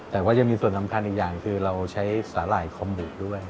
แต่ว่ายังมีส่วนสำคัญอีกอย่างคือเราใช้สาหร่ายคอมบุด้วย